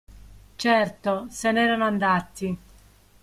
Certo, se ne erano andati.